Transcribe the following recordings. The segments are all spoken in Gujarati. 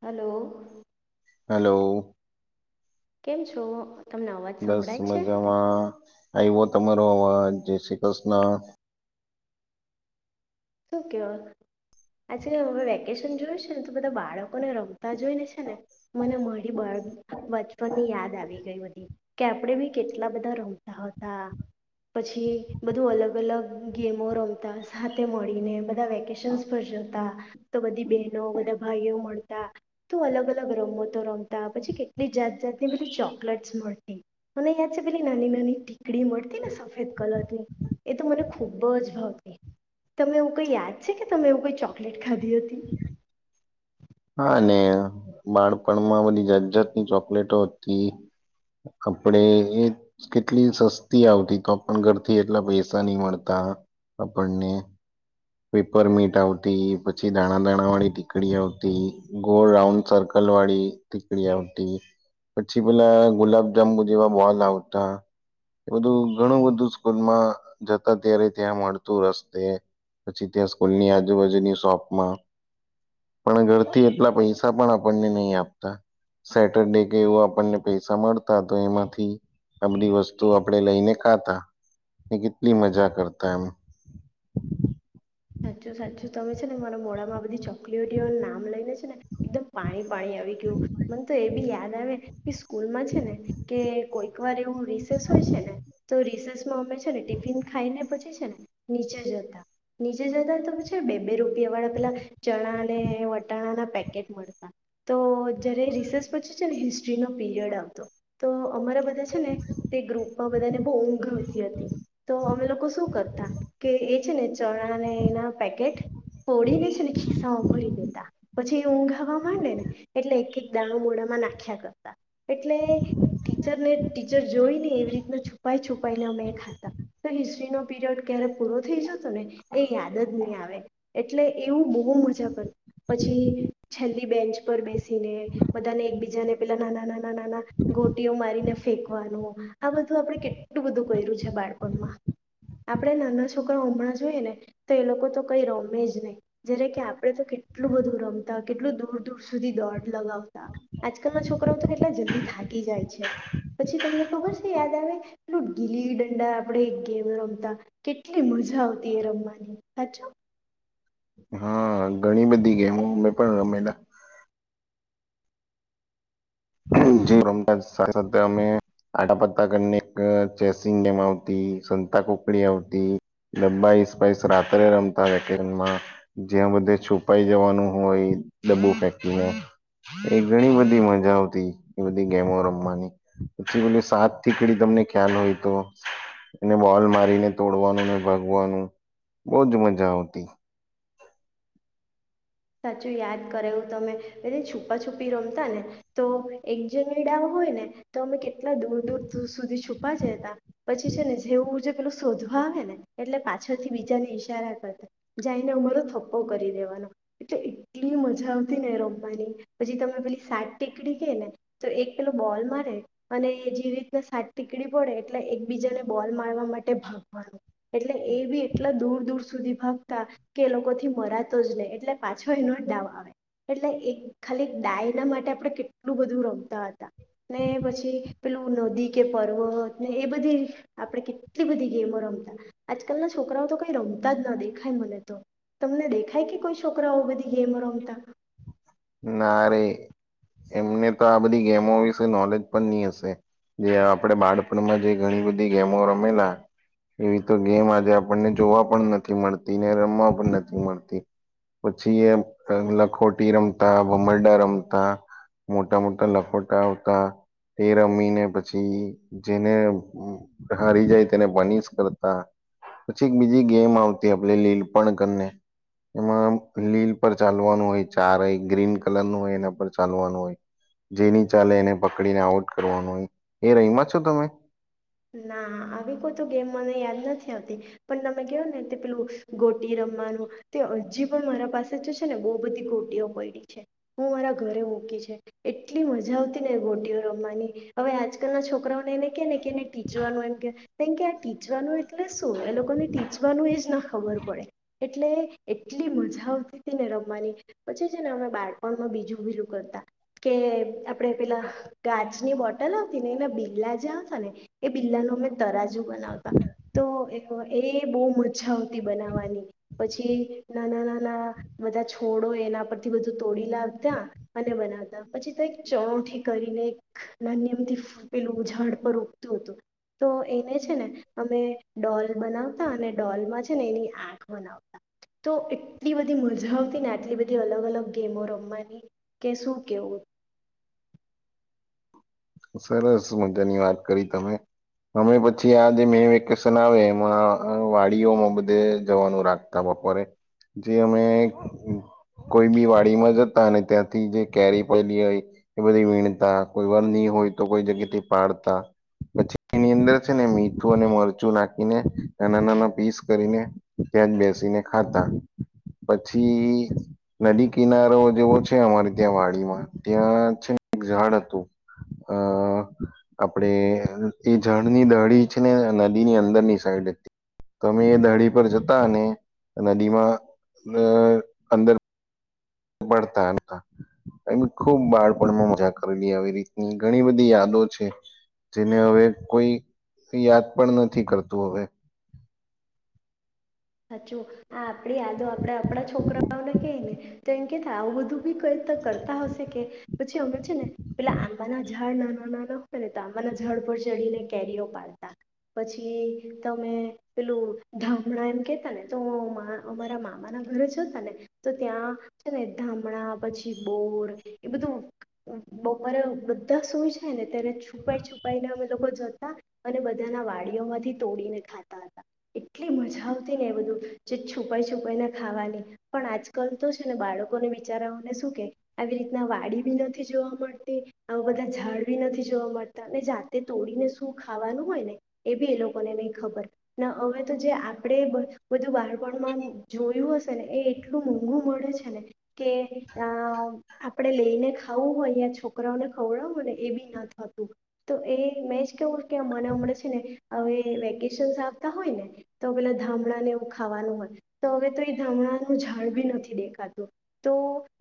હલો. હલો. કેમ છો? તમને અવાજ બસ સંભળાય છે મજામાં. આવો તમારો હ જય શ્રી કૃષ્ણ. શ કેવાલી હવે વેકેશન જોયું છે ને તો બધા બાળકોને રમતા જોઈને છે ને મને મળી બચપનની યાદ આવી ગઈ બધી કે આપણેે બી કેટલા બધા રમતા હતા પછી બધું અલગ અલગ ગેમો રમતા સાથે મળ બધા વેકેશન્સ પર જતા તો બધી બહેનો બધા ભાઈઓ મળતા તો અલગ અલગ રમતો રમતા પછી કેટલી જાત જાતની પેલી ચોકલેટસ મળતી મને યાદ છે પેલી નાની નાની ટીકડી મળતી ને સફેદ કલરની એ તો મને ખૂબ જ ભાવતી. તમે એવું કઈ યાદ છે કે તમે એવું કઈ ચોકલેટ ખાધી હતી? હા બાળપણમાં બધી જાત જાતની ચોકલેટો હતી આપણેે એ કેટલી સસ્તી આવતી તો પણણ ઘરથી એટલા પૈસા નહ મળતા આપણને. પેપર મીટ આવતી પછી દાણા દાણા વાળી ટીકડી આવતી ગોળ રાઉન્ડ સર્કલ વાળી ટીકડી આવતી પછી પેલા ગુલાબજંબુ જેવા બોલ આવતા એ બધું ઘણું બધું સ્કૂલમાં જતા ત્યારે ત્યાં મળતું રસ્તે. પછી ત્યાં સ્કૂલની આજુબાજુની શોપમાં પણ ઘરથી એટલા પૈસા પણ આપણને નહી આપતા સેટરડે કે એવું આપણને પૈસા મળતા તો એમાંથી આ બધ વસ્તુ આપણે લઈને ખાતા કેટલી મજા કરતા એમ. સાચું સાચું તમે છે ને મારા મોડામાં આ બધી ચોકલેટીઓ નામ લઈને છે ને એકદમ પાણી પાણી આવી ગયું મને તો એ બી યાદ આવે સ્કૂલમાં છે ને કે કોઈક વાર એવું રિસેસ હોય છે ને તો રીસેસ મા અમે છે ને ટિફિન ખાઈ ને પછી છે ને નીચે જતા. નીચે જતા તોછ બે બે રૂપિયા વાળા પેલા ચણા અને વટાણાના પેકેટ મળતા તો જયારે રિસર્ચ પછી છે ને હિસ્ટ્રીનો પીરિયડ આવતો તો અમારા બધા છે ને તે ગ્રુપમાં બધાને બહુ ઊંઘ આવતી હતી તો અમે લોકો શું કરતા કે એ છે ને ચણાને એના પેકેટ ફોડીને છે ને ખીસ્સામાં ભરી દેતા પછી એ ઊંઘાવા માંડે ને એટલે એક એક દાણું બળામાં નાખ્યા કરતા એટલે ટીચરને ટીચર જોઈને એવી રીતના છુપાઈ છુપીને અમે એ ખાતા તો હિસ્ટ્રીનો પીરિયડ ક્યારે પૂરો થઈ જતો ને એ યાદ જ નહી આવે. એટલે એવું બહુ મજા કરે પછી છેલ્લી બેન્ચ પર બેસી ને બધાને એકબીજાને પેલા નાના નાના નાના ગોટીઓ મારીને ફેંકવાનું આ બધું આપડણે કેટલું બધું કર્યું છે બાળપણમાં આપણેે નાના છોકરા હમણાં જોઈએ ને તો એ લોકો તો કઈ રમે જ નહી જારે કે આપડે તો કેટલું બધું રમતા કેટલું દૂર દૂર સુધી દોડ લગાવતા. આજકાલ ના છોકરાઓ તો કેટલા જલ્દી થાકી જાય છે પછી તમને ખબર છે. યાદ આવે એલ ગીલી ડંડા આપડે ગેમ રમતા કેટલી મજા આવતી એ રમવા. સાચો. હા ઘણી બધી ગેમો અમે પણ રમેલા. સાથે અમે આડા પતા ગને ગ અ ચેસિંગ ગેમ આવતી, સંતા કુકડી આવતી ડબ્બાઈપીસ રાત્રે રમતા [unintelligible] વશ જ્યાં બધે છુપાઈ જવાનું હોય ડબ્બ ફેકીને એ ઘણી બધી મજા આવતી. તી બધી ગેમો રમવાની પછી સાત થીકડી તમને ખ્યાલ હોય તો ને બોલ મારીને તોડવાનું ને ભાગવાનું બહજ મજા આવતી. સાચું યાદ કરેલું તમે [unintelligible] છુપાછુપી રમતા ને તો એક જને ડાવ હોય ને તો અમે કેટલા દૂર દૂર દૂર સુધી છુપા જતા પછી છે ને જેવું પેલું શોધવા આવે ને એટલે પાછળ થી બીજા ને ઈશારા કરતા જઈને ઉમારો થપ્પો કરી દેવાનો. એટલે એટલી મજા આવતી ને એ રોમવાની પછી તમે પેલી સાત ટીકડી કે ને તો એક પેલો બોલ મારે અને જે રીતના સાત ટીકડી પડે એટલે એકબીજાને બોલ મારવા માટે ભાગવાનું. એટલે એ બી એટલા દૂર દૂર સુધી ભાગતા કે લોકો થી મરાતો જ નય. એટલે પાછો એનો જ ડાવ આવે એટલે એક ખાલી ડાયના માટે આપણે કેટલું બધું રમતા હતા ને પછી પેલું નદી કે પર્વત ને એ બધી આપણે કેટલી બધી ગેમો રમતા આજકાલના છોકરાઓ તો કઈ રમતા જ ન દેખાય મને તો. તમને દેખાય કે કોઈ છોકરાઓ બધી ગેમ રમતા? ના રે એમને તો આ બધી ગેમો વિશે નોલેજ પણ ની હશે જે આપડે બાળપણમાં જે ઘણી બધી ગેમો રમેલા એવી તો ગેમ આજે આપણને જોવા પણ નથી મળતી ને રમવા પણ નથી મળતી પછી એ લખોટી રમ તા ભમરડા રમતા મોટા મોટા લખોટા આવતા તે રમીને પછી જેને ઉમ હારી જાય તેને પનીશ કરતા પછી એક બીજી ગેમ આવતી આપ લીલ પણ કરીને એમાં લીલ પર ચાલવાનું હોય ચાર એક ગ્રીન કલર નું હોય એના પર ચાલવાનું હોય. જે ની ચાલે એને પકડીને આઉટ કરવાનું હોય. એ રઈમાં છો તમે? ના આવી કોઈ તો ગેમ મને યાદ નથી. પણ તમે કયો ને તે પેલું ગોટી રમવાનું તે હજી પણ મારા પાસે છે ને બહ બધી ગોટીઓ પડી છે હું મારા ઘરે મૂકી છે એટલી મજા આવતી ને ગોટીઓ રમવાની હવે આજકાલ ના છોકરાઓને એને કે ને કે ટીચવાનું એમ કે એમ કે આ ટી ચવાનું એટલે શું? એ લોકોને ટીચવાનું એજ ના ખબર પડે. એટલે એટલી મજા આવતી તી ને રમવાની પછી છે ને અમે બાળપણમાં બીજું બીજુ કરતા કે આપણેે પેલા કાચની બોટલ આવતી ને એના બીલા જે આવતા ને એ બિલા નું અમે તરાજુ બનવતા તો એક એ એ બહુ મજા આવતી બનાવાની પછી નાના નાના બધા છોડો એના પરથી બધું તોડી લાવતા અને બનાવતા. પછી તો એક ચણોઠી કરીને એક નાન્યમથી ફૂપેલું ઝાડ પર ઉતુ તો એને છે ને અમે ડોલ બનાવતા અને ડોલમાં છે ને એની આંખ બનાવતા તો એટલી બધી મજા આવતી ને આટલી બધી અલગ અલગ ગેમો રમવાની કે શું કેવું. સરસ મજાની વાત કરી તમે અમે પછી આ જે મે વેકેશન આવે એમાં વાડીઓમાં બધે જવાનું રાખતા બપોરે જે અમે કોઈ બી વાડીમાં જતા અને ત્યાંથી જે કેરી પઇડી હોય એ બધી વીણતા કોઈ વાર ની હોય તો કોઈ જગ્યાથી પાડતા પછી એની અંદર છે ને મીઠું અને મરચું નાખીને નાના નાના પીસ કરીને ત્યાં જ બેસીને ખાતા. પછી નદી કિનારો જેવો છે અમારે ત્યાં વાડીમાં ત્યાં છે એક ઝાડ હતું. અ આપડે એ જળની દહડી છે ને નદીની અંદર ની સાઈડ હતી તો અમે એ દહડી પર જતા ને નદીમાં અંદર પડતા હતા એ ખુબ બાળપણમાં મજા કરેલી આવી રીતની ઘણી બધી યાદો છે જેને હવે કોઈ યાદ પણ નથી કરતું હવે. સાચું. હા આપડી યાદો આપડે આપડા છોકરા આપડે કેને તો એમ કે કી આવું બધું કોઇ કરતા હશે કે પછી અમે છે ને પેલા આંબાના ઝાંડ ઝાડ નાના નાના હોય નેઆંબા ના ઝડ પર ચડીને કેરીઓ પાડતા પછી તમે પેલું ધામણા એમ કે તા ને તો મ મારા અમારા મામા ના ઘરે જતા ને તો ત્યાં છે ને ધામણા પછી બોર એ બધું બોપરે બધા સુઈ જાયને અત્યારે છુપાઈ છુપાઈ ને અમે લોકો જતા. જતા અને બધા ના વાડીઓ માંથી તોડીને ખાતા હતા એટલી મજા આવતી ને એ બધું જે છુપાઈ છુપાઈ ને ખાવાની પણ આજકાલ તો છે ને બાળકોને બિચારાઓને શું કે આવી રીતના વાડી બી નથી જોવા મળતી આવા બધા ઝાડ બી નથી જોવા મળતા અને જાતે તોડીને શું ખાવાનું હોય ને એ બી એ લોકોને નહી ખબર ને હમે તો જે આ આપડે બધું બધું બાળપણ માં જોયું હશે ને એ એટલું મોંઘું મળે છે ને? કે અ આપડે લઈને ખાવું હોય અહીંયા છોકરાઓને ખવડાવોને એ બી ના થતું તો એ મે જ કેવું કે મને હમણે છેને હવે વેકેશનસ આવતા હોય ને તો પેલા ધામણાંને એવું ખાવાનું હોય તો હવે તો એ ધામણાનું ઝાડ બી નથી દેખાતું તો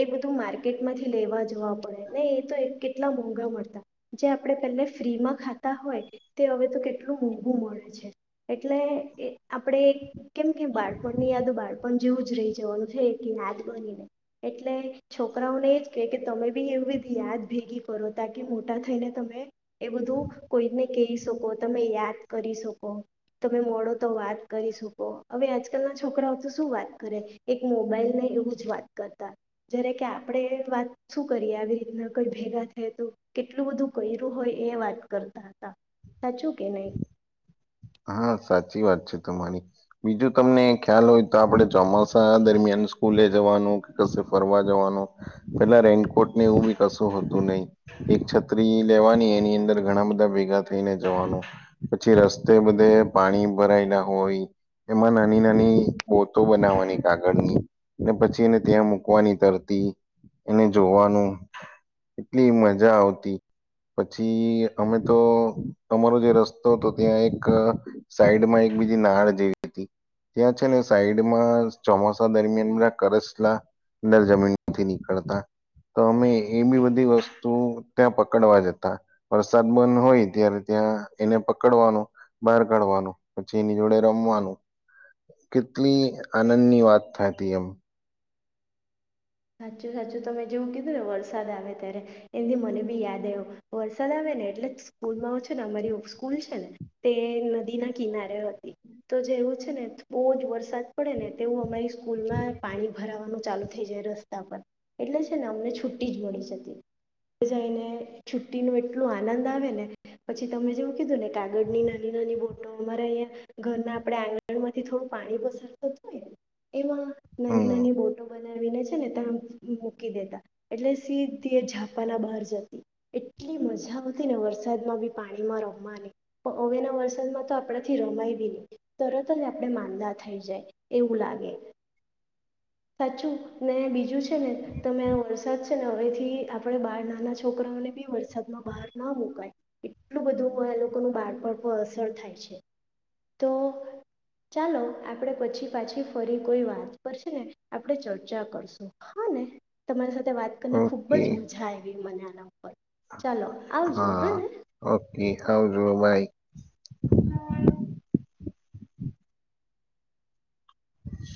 એ બધું માર્કેટમાંથી લેવા જવા પડે ને એ તો કેટલા મોંઘા મળતા જે આપણે પહેલા ફ્રીમાં ખાતા હોય તે હવે તો કેટલું મોંઘું મળે છે એટલે એ આપડે કેમ કેમ બાળપણની યાદો બાળપણ જેવું જ રહી જવાનું છે એક યાદ બનીને એટલે છોકરાઓને એ જ કહે કે તમે બી એવી બધી યાદ ભેગી કરો તા કે મોટા થઈને તમે એ બધું કોઈને કહી શકો તમે યાદ કરી શકો તમે મળો તો વાત કરી શકો હવે આજકાલ ના છોકરાઓ તો શું વાત કરે એક મોબાઈલને એવું જ વાત કરતા જ્યારે કે આપડે વાત શું કરીએ આવી રીતના કઈ ભેગા થઈ તો કેટલું બધું કર્યું હોય એ વાત કરતા હતા સાચું કે નહી. હા સાચી વાત છે તમારી બીજું તમને ખ્યાલ હોય તો આપડ ચોમાસા દરમિયાન સ્કૂલે જવાનું કે કશે ફરવા જવાનું પેલા રેનકોટને એવું બી કશું હતું નહીિ એક છત્રી લેવાની એની અંદર ઘણા બધા ભેગા થઈને જવાનું પછી રસ્ બધે પાણી ભરાયેલા હોય એમાં નાની નાની બોતો બનાવવાની કાગળની ને પછી એને ત્યાં મૂકવાની તરતી એને જોવાનું એટલી મજા આવતી પછી અમે તો અમારો જે રસ્તો હતો ત્યાં એક સાઈડમાં એક બીજી નાળ જેવી હતી ત્યાં છે ને સાઈડમાં ચોમાસા દરમિયાન બધા કરસલાં અંદર જમીન નથી નીકળતા તો અમે એ બી બધી વસ્તુ ત્યાં પકડવા જતા વરસાદ બંધ હોય ત્યારે ત્યાં એને પકડવાનું બહાર કાઢવાનું પછી એની જોડે રમવાનું કેટલી આનંદ ની વાત થાતી એમ સાચું સાચું તમે જેવું કીધું ને વરસાદ આવે ત્યારે એથી મને બી યાદ આવ્યો વરસાદ આવે ને એટલે સ્કૂલમાં છે ને અમારી સ્કૂલ છે ને તે નદી ના કિનારે હતી તો જેવું છે ને બઉજ વરસાદ પડે ને તેવું અમારી સ્કૂલમાં પાણી ભરાવાનું ચાલુ થઈ જાય રસ્ એટલે છે ને અમને છુ્ટી જ મળી જતી જઈને છુ્ટી ન એટલોું આનંદ આવે ને પછી તમે જેવું કીધું ને કાગળની નાની નાની બોટો અમારા અહીંયા ઘરના આપણે આંગણ માંથી થોડું પાણી પસાર થતું હોયને એમાં નાની હમ નાની બોટો બ બનાવિ નેજ ત મૂકી દેતા એટલે સીધી ઞાપાના બહાર જતી એટલી મજા આવતી ને વરસાદમાં બી પાણીમાં રમવાની પણ હવેના વરસાદમાં તો આપણે થી રમાય બી નહી તરત જ આપણે માંદા થઈ જાય એવું લાગે સાચું ને બીજું છે ને તમે વરસાદ છે ને હવેથી આપણે બાળ નાના છોકરાઓને બી વરસાદમાં બહાર ના મુૂકાય એટલું બધું એ લોકોનું બાળપણ પણ અસર થાય છે તો ચાલો આપણે પછી પાછી ફરી કોઈ વાત પર છે ને આપણે ચરચા કરસુ હાને તમારી સાથે વાત કરીને ખૂબ ઓકે જ મજા આવી મને આના ઉપર ચાલ આવજો હા ને ઓકે આવજો [unintelligible] [inaudible]